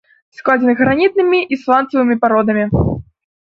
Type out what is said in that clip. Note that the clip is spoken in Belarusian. Складзены гранітнымі і сланцавымі пародамі.